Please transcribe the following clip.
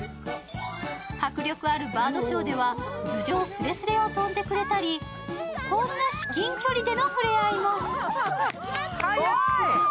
迫力あるバードショーでは頭上すれすれを飛んでくれたり、こんな至近距離でのふれあいも。